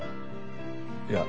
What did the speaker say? いや。